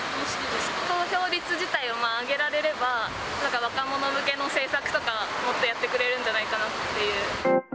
投票率自体を上げられれば、若者向けの政策とか、もっと、やってくれるんじゃないかっていう。